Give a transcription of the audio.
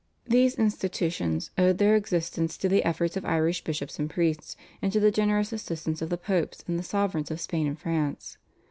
These institutions owed their existence to the efforts of Irish bishops and priests, and to the generous assistance of the Popes, and the sovereigns of Spain and France.